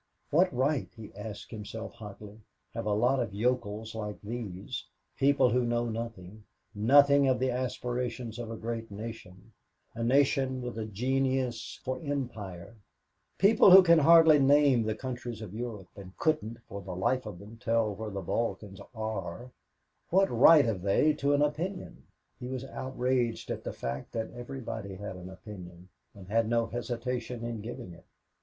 What right, he asked himself hotly, have a lot of yokels like these people who know nothing nothing of the aspirations of a great nation, a nation with a genius for empire people who can hardly name the countries of Europe and couldn't, for the life of them, tell where the Balkans are what right have they to an opinion? He was outraged at the fact that everybody had an opinion and had no hesitation in giving it.